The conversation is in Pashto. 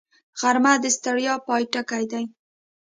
غرمه د ستړیا پای ټکی دی